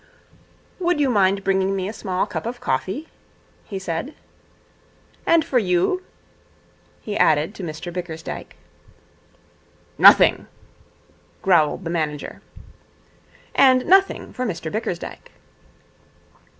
'Would you mind bringing me a small cup of coffee?' he said. 'And for you,' he added to Mr Bickersdyke. 'Nothing,' growled the manager. 'And nothing for Mr Bickersdyke.'